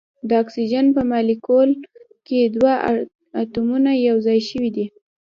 د اکسیجن په مالیکول کې دوه اتومونه یو ځای شوي دي.